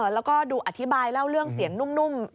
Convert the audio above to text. แล้วก็ดูอธิบายเล่าเรื่องเสียงนุ่ม